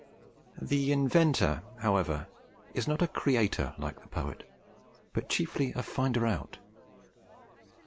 The inventor, however, is not a creator like the poet, but chiefly a finder out.